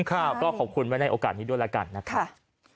ก็ขอบคุณไว้ในโอกาสนี้ด้วยแล้วกันนะครับ